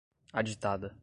aditada